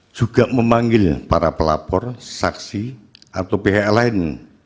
juga memanggil para pelapor saksi atau pihak lain